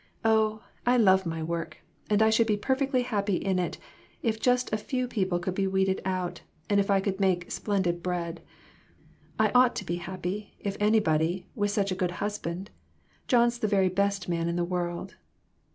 Oh, I love my work, and I should be perfectly happy in it if just a few people could be weeded out, and if I could make splendid bread. I ought to be happy, if anybody, with such a good husband. John's the very best man in the world."